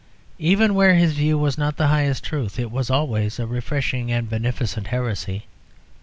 Even where his view was not the highest truth, it was always a refreshing and beneficent heresy.